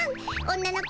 女の子。